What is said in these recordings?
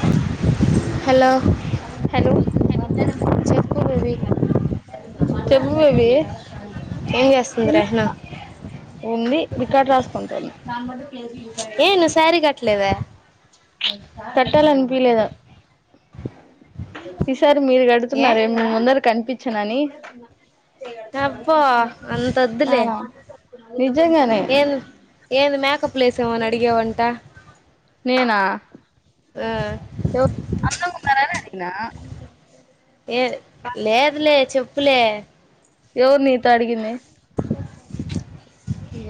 అ hello hello చొప్ చెప్పువే ఏం చేస్తుంది ఇన్ రెహనా ఉంది రికార్డ్ రాసుకుంటున్నా యే నువ్ సారీ కట్లేద కట్టాలనిపియలేదు సార్ మీరు ఏ గడుతున్నారా ఏమన్ ముందర కనిపించనని. అబ్బో అంత వద్దులే యమ నిజంగానే ఏది మకప్లేలేవాడిని అడిగావ్ అంట నేనా యో అందంగా ఉన్నారని అడిగిన యే లేదులే చెప్పులే ఎవరు నీతో అడిగింది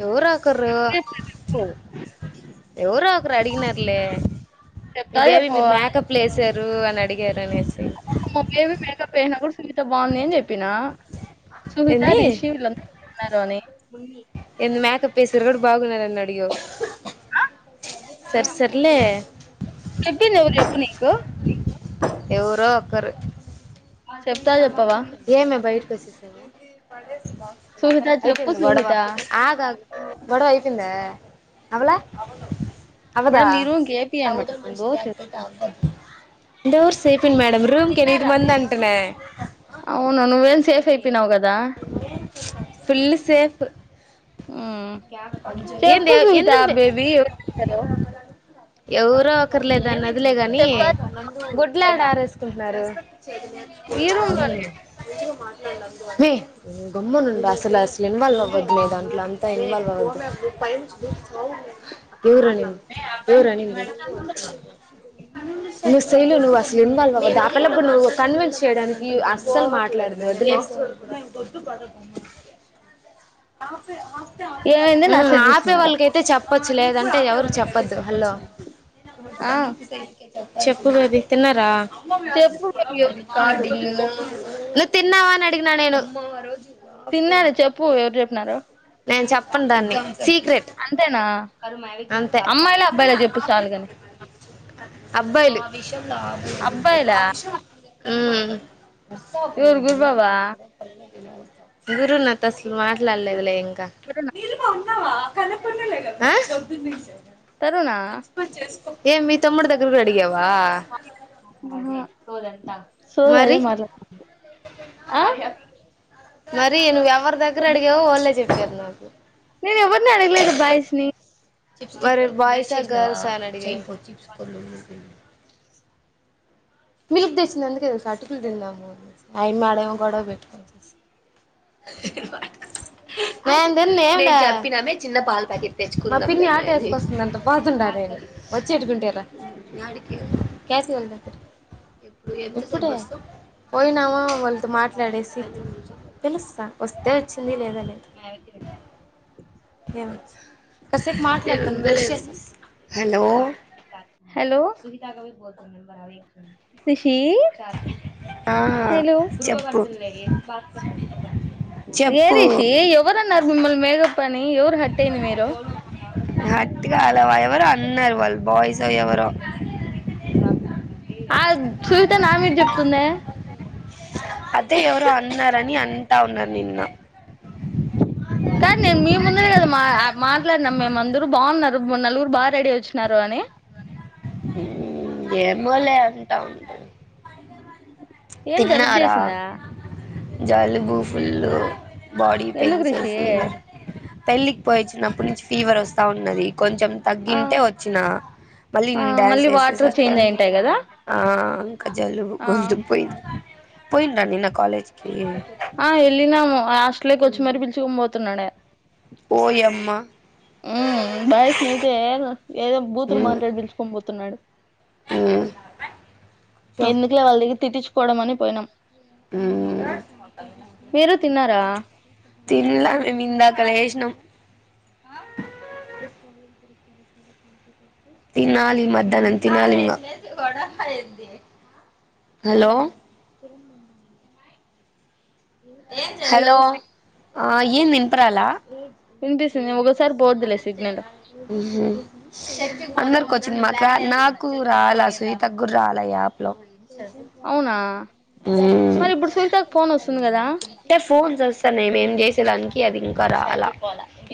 ఎవరో ఒక్కరూ చెప్పు ఎవరో ఒక్కరు అడిగినారులే మీ చెప్తా బేబీ మీరు చెప్పవా మేకప్లు వేసినారు అని అడిగారు అనేస్ మా బేబీ మేకప్ ఏసినా కూడా సునీత బాగుంది అని చెప్పినా. సుహిత రిషి లో ఉన్నారని ఎద్ మేకప్ యేసిరు కూడ్ బాగునాగున్నారని అడిగావ్ సర్ సర్లే ఇప్ నీకు ఎవరో ఒక్కరు చెప్తా చెప్పవా ఏమే బయటకి వచ్చేసవ్ సుహిత చెప్పు అయిపోందిలే గొడవ సుహిత ఆగు ఆగు గొడవ అయిందా అవ్వలే అవ్వదా మేడం మీ రూమ్ కి ఏపియండి మేడం డోర్స్ డోర్స్ చేపియండి మేడం రూమ్ కి ఎనిమిది మంది అంటనే చెప్పినవ్ కదా ఫుల్ సేఫ్ మ్ చెప్పు ఏంది సునీత ఎందుకు బేబీ హలో ఎవరో ఒకరు లేదన్నదిలే గాని చెప్తా గుడ్లలేడా చెప్పలేదా ఆరేసుకుంటున్నారు ఈ రూమ్ లోనే మ్మి గమ్మున ఉండు అసలు ఇన్వొల్వ్ అవ్వద్దు లే దాంట్ల అంతా ఇన్వొల్వ్ అవద్దు పైనుంచి దూకి సావు ఎవరు అని ఎవరు అనింది నువ్ సైలు నువ్ అసలు ఇన్వాల్వ్ అవ్వద్దు ఆ పిల్లకి నువ్ కన్విన్స్ చేయడానికి అస్సలు మాట్లాడదు ఆ ఏమైంది న హాస్టల్ వాళ్ళకైతే చెప్పొచ్చు లేదంటే ఎవరికి చెప్పద్దు హల్లో ఆ చెప్పు బేబీ తిన్నారా చెప్పు బేబీ ఎవరు చెప్పినారు చెప్పు నువ్వు తిన్నావా అని అడిగిన నేను తిన్నార చెప్పు ఎవరు చెప్పినారో నేను చెప్పను దాన్ని సీక్రెట్ అంతేనా అంతే అమ్మాయిలా అబ్బాయిలా చెప్పు సాలుగని అబ్బాయిలు విషయంలో అబ్బాయిలా ఆలోచించి ఊ ఎవరు గురుబాబా ఎవరు నాకసలు మాట్లాడలేదులే రనా చ్చినవా కనపడలే కదా ఆ పొద్దున్నించి తరుణా మంచి పని చేసి ఏ మీ తమ్ముడి దగరకు పోయ్ అడిగావ్ అహ సోదంతా సోది అదే మరి మాట్లాడు ఆ మరి నువ్వు ఎవరి దగ్గర అడిగావో వాళ్ళే చెప్పారు నాకు ఎవ్వర్నీ అడగలేదు బాయ్స్ ని చిప్స్ మరి బాయ్స్ ఆ గర్ల్స్ ఆ అని అడిగినవ్ మిల్క్ తెచ్చింది అందుకే తెల్సా అటుకులు తిన్నాము అయమ్మీ ఆడేమో గొడవ పెట్టుకుంది [unintelligible] చిన్న పాల ప్యాకెట్ తెచ్చుకుందామంటే మా పిన్ని ఆటో వేసుకస్తుంది అంట పోతున్న నేను వచ్చేటిదుంటే రా [unintelligible] ఇప్పుడే పోయినామా వాళ్ళతో మాట్లాడేసి పిలుస్తా వస్తే వచ్చింది లేదా లేదు ఏమో కాసేపు మాట్లాడతా ఉండు బ్రష్ చేసి వస్తా హలో రిషీ ఆ హలో చెప్పు ఏ చెప్పు రిషీ ఎవరు న్నారు మిమ్మల్ని మేకప్ అని ఎవరు హర్ట్ అయింది మీరు గట్టిగ అలా వ ఎవరో అన్నారు వాళ్ళు బాయ్స్ యో ఎవరో ఆ సునిత నా మీద చెప్తుందే అదే ఎవరో అన్నారని అంటా ఉన్నది నిన్న కానీ నేను మీ ముందే కదా మా ఆ మాట్లాడినాం మేము అందరు బాగున్నారు నలుగురు బాగా రెడీ అయి వచ్చినారు అని ఏమోలే అంతా ఉంటా ఏం జలుబు చేసిందా జలుబు ఫుల్లు బాడీ ఎందుకు పెయిన్స్ రిషి ఫీవర్ పెళ్ళికి పోయి వచ్చినప్పటి నుంచి ఫీవర్ వస్తా ఉన్నది కొంచెం ఆ తగ్గింటే వచ్చినా మళ్ళీ ఆ డ్యాన్స్ మళ్ళీ వాటర్ చేసేసరికి చేంజ్ అయింటాయి కదా ఆ ఇంకా జలుబు గొంతు పోయింది పోయిండ్రా నిన్న కాలేజ్ ఆ వెళ్ళినం హాస్టల్ కి వచ్చి మరీ పిలుచుకోని పోతున్నాడే ఓయమ్మ ఉ బాయ్స్ నైతే ఏదో బూతులు మ్మ్ మాట్లాడి పిలుచుకొని పోతున్నాడు మ్మ్ చెప్ ఎందుకలే వాళ్ళ దగ్గర తిట్టిచ్చుకోవడం అని పోయినాం మ్మ్ మీరు తిన్నారా తినాలే మేము ఇందాక లేసినం తినాలి మధ్యానం తినాలి ఇంగ హలో హలో ఆ ఏంది వినపరాలే పొద్దులేసి ఊ అందరికి వచ్చింది మాకు నాకు రాలా శ్వేత గురు రాల యాప్ లో అవునా ఊ మరి ఇప్పుడు సునీతకు ఫోన్ వస్తుంది కదా అంటే ఫోన్స్ వస్తాన్నాయి మేము చేసేదానికి అది ఇంకా రాల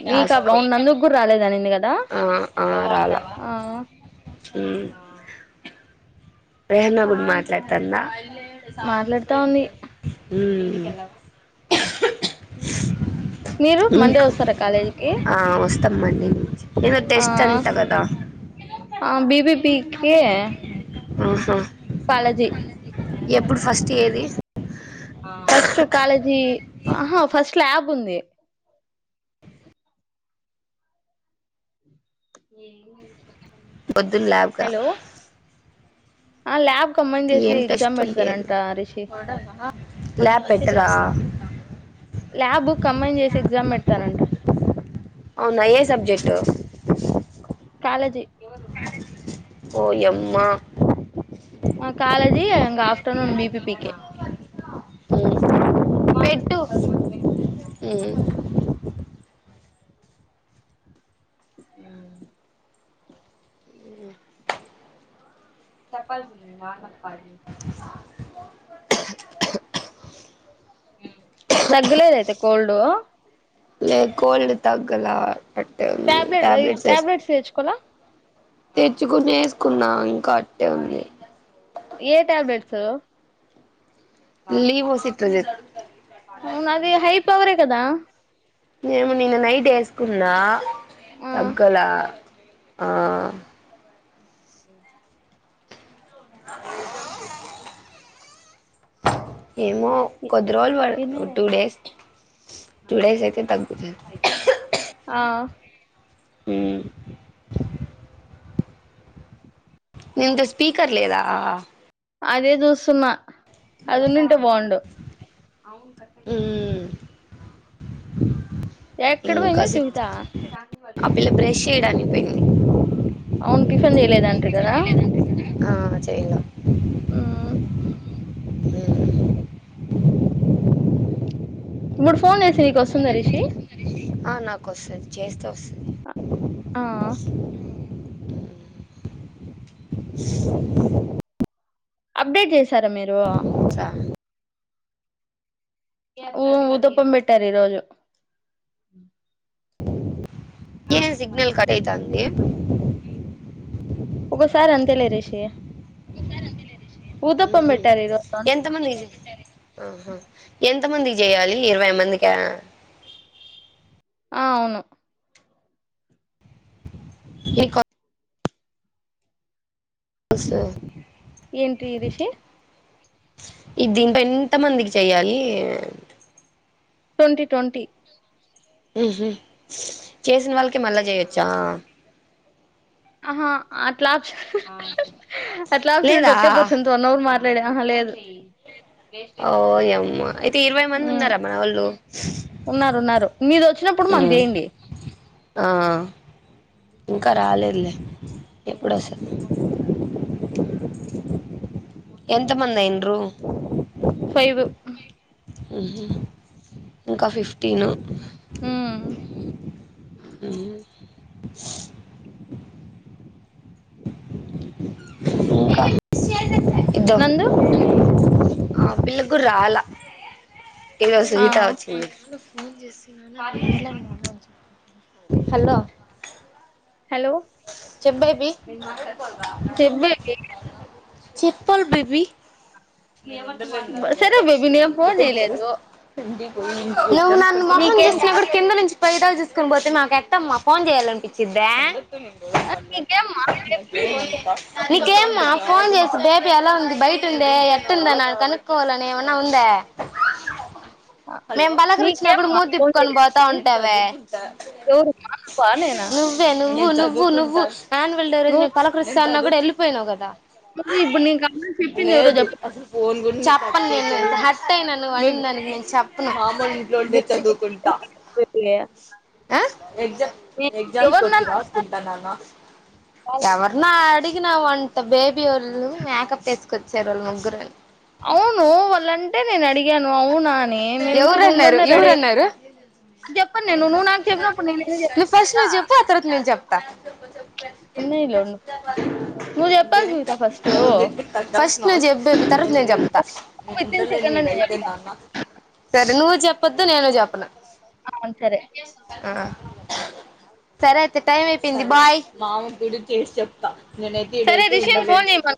మీకు టాస్క్ అవును నందుకు కూడా రాలేదనింది కదా ఆ ఆ రాలే ఆ ఉ రేహన్నా [unintelligible] మాట్లాడతాన్న మాట్లాడుతా ఉంది [inaudible] ఊ మీరు మండే వస్తారా కాలేజ్ కి ఆ వస్తామండి ఏదో ఆ టెస్ట్ అంట కదా ఆ బిబిపీకి ఓసో ఎప్పుడు ఫస్ట్ ఏది ఫస్ట్ కాలేజీ ఆహా ఫస్ట్ ల్యాబ్ ఉంది పొద్దున్న ల్యాబ్గా హలో ఆ ల్యాబ్ కంబైన్ చేసి ఎమ్ ఎగ్జామ్ టెస్ట్ లు చేయాల్లో పెడతారంట రిషి ల్యాప్ పెట్టరా ల్యాబ్ కంబైన్ చేసి ఎగ్జామ్ పెడతారంట అవునా ఏ సబ్జెక్టు కాలజీ ఎవరు ఓ యమ్మా ది ఆఫటర్నూన్ బిపిపికే ఊ పెట్టు ఊ ఉ చెప్పాల్సింది నార్మల్ కాల్ ఉ తగ్గలేద అయితే కోల్డ్ లేదు కోల్డ్ తగ్గల అట్టే ఉంది టాబ్లెట్ టాబ్లెట్స్ ఏసు తెచ్చుకోలా తెచ్చుకునే ఏసు కున్నా ఇంకా అట్టే ఉంది ఏ ట్యాబ్లెట్సు లీవోస్ ఇట్లా ఉనా అది హైపవర్ ఏ కదా ఏమో నిన్న నైట్ వేసుకున్నా ఆ తగ్గలా [inaudible] అంటే ఏమో కొద్దిరోజులు పడు టూ డేస్ టూ డేస్ అయితే తగ్గుతది ఆ ఉ దీంతో స్పీకర్ లేదా అదే చూస్తున్నా అది ఉండింటే బాగుండు ఎక్కడ పోయింది ఇంకాసేపు సునీత ఆ పిల్ల బ్రష్ చేయడానికి పోయింది అవున్ టిఫిన్ చేయలేదంట కదా చేయాలా ఉమ్ ఇప్పుడు ఫోన్ జేస్తే నీకు వస్తుందా రిషి ఆ నాకు వస్తది చేస్తే వస్తది [inaudible] ఆ అప్డేట్ జేసారా మీరు చ ఊ ఊదపంబెట్టారు ఈ రోజు ఏం సిగ్నల్ కట్టైతోంది ఒకసారి అంతేలే రిషి ఊతప్పం పెట్టారు ఈ రోజు ఎంత మంది ఎంత ఎంతమందికి జేయాలి ఇరవై మందికా ఆవును ఏ కొ సా [inaudible] ఏంటి రిషి ఈ దీనిపై ఎంత మందికి చేయ్యాలి ట్వంటీ ట్వంటీ హుహూ చేసిన వాళ్ళకే మళ్ళా చేయొచ్చా హా అట్లా అట్లాస లేదా ఒకే పర్సన్ తో వన్ అవర్ మా ఆహా లేదు ఓయమ్మ అయితే ఇరవై మంది మ్మ్ ఉన్నారా మనోళ్ళు ఉన్నారు ఉన్నారు మీరు వచ్చినప్పుడు మాకు జేయండి ఆ ఇంకా రాలేదులే ఎప్పుడొస్తద్ది ఎంత మంది అయిండ్రు ఫైవ్ హుహూ ఇంకా ఫిఫ్టీను మ్మ్ ఉమ్ ఆ [inaudible] ఇద్దో నందు ఆ పిల్ల గూడ రాలే ఇదిగో ఆ సునీత వచ్చింది హలో హలో చెప్ బేబి చెప్పు బేబీ చెప్పాలి బేబీ నేను ఉండలేను సరే ఇడ బేబీ మన నేను ఇంటి ఫోన్ చేయలేదు కొచ్చెస్త [unintelligible] నువ్వు నన్ను మొహం నీకేం చూసిన గూడా కింద నుంచి పైదాక చూసుకుని పోతే మాకు ఎట్టమ్మ ఫోన్ జేయాల ఇచ్చిద్దా ఆ! నీకేమ్మా రేపు ఫోను నీకేమ్మా ఫోన్ జేసి బేబి ఎలా ఉంది బయటుందే ఎట్టుందన కనుకోవాలనే అన్న ఉందా చేసినా మేం బలకరిచ్చినప్పుడు నీకేమ్మా మూతి ఫోను తిప్పుకొని పోతా ఉంటావే మాకునేనా [unintelligible] నువ్వే నువ్వు నువ్వు నువ్వు ఆన్వల్ డే రోజు నువ్వు నేన్ పలకరిస్తున్నా గూడా యెళ్ళిపోయినవ్ గదా ఇప్పుడు నేన్ కనపడ చెప్పిం దెవరో జెప్పు చెప్పలేదు హట్ హట్టయిన బేబీ నువనిందానికి నేను చెప్పను కామ్ గా ఇంట్లో ఉండే బేబీ చదువుకుంటా బేబీ ఆ ఎగ్జా నేను ఎగ్జామ్స్ ఎవరినన్నా వచ్చినవ [unintelligible] రాంటా నన్న కాదు. ఎవరినో అడిగినా వంట బేబీ వాళ్ళు మేకప్ వేసుకొచ్చారు వాళ్ళు ముగ్గురు అవును వాళ్ళంటే నేను అడిగాను అవునా అని మేము ఇంకా రూమ్ ఎవరన్నారు లోనే రెడీ అయ ఎవరన్నారు అది జెప్పను నేను నువ్వు నాకు చెప్పనప్పుడు నేను ఎందుకు చెప్తా త ఉన్నాయిలే ఉండు. నువ్వు చెప్పాలి సునీత ఫస్టు. ఫస్ట్ నువ్వు జెప్పు ఇ తర్వాత నేన్ జెప్తా వితిన్ సెకండ్‌లో నేను చెప్తా. సరే నువ్వు జెప్పొ నేను జెపన ఔన్ సరే సరే అయితే టైం అయిపోయింది బాయ్ నేనైతే సరే ఇడైతే రిషిని ఉండలేన్ ఫోను చేయమను.